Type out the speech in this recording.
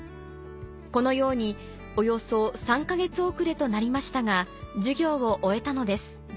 このようにおよそ３か月遅れとなりましたが授業を終えたのです